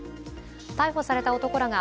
逮捕された男らが